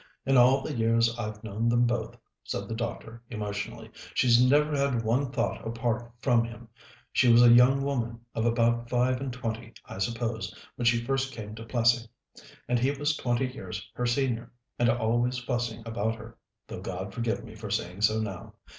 In all the years I've known them both," said the doctor emotionally, "she's never had one thought apart from him. She was a young woman of about five and twenty, I suppose, when she first came to Plessing, and he was twenty years her senior, and always fussing about her, though God forgive me for saying so now.